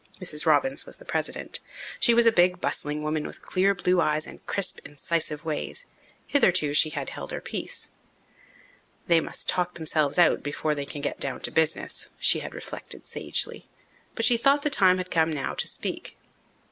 Mrs. Robbins was the president. She was a big, bustling woman with clear blue eyes and crisp, incisive ways. Hitherto she had held her peace. "They must talk themselves out before they can get down to business," she had reflected sagely. But she thought the time had now come to speak.